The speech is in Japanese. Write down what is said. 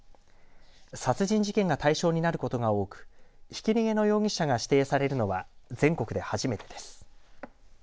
殺人事件が対象になることが多くひき逃げの容疑者が指定されるのは全国で初めてです。